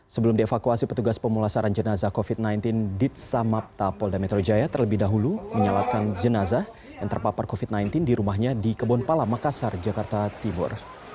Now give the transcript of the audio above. sebelum dievakuasi petugas pemulasaran jenazah covid sembilan belas dit samapta polda metro jaya terlebih dahulu menyalatkan jenazah yang terpapar covid sembilan belas di rumahnya di kebonpala makassar jakarta tibur